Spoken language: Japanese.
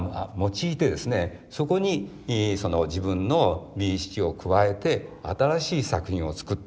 そこに自分の美意識を加えて新しい作品を作った。